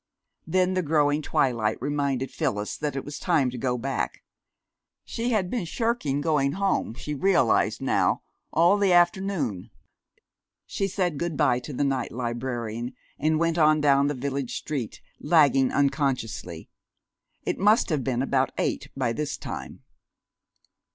Then the growing twilight reminded Phyllis that it was time to go back. She had been shirking going home, she realized now, all the afternoon. She said good by to the night librarian, and went on down the village street, lagging unconsciously. It must have been about eight by this time.